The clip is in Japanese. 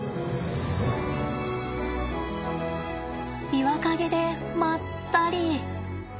岩陰でまったり。